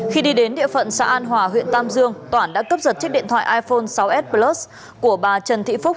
khi đi đến địa phận xã an hòa huyện tam dương toản đã cướp giật chiếc điện thoại iphone sáu s plus của bà trần thị phúc